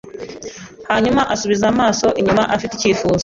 Hanyuma asubiza amaso inyuma afite icyifuzo